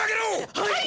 はい！